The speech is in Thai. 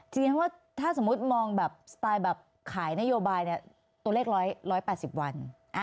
ฉันว่าถ้าสมมุติมองแบบสไตล์แบบขายนโยบายเนี่ยตัวเลข๑๘๐วัน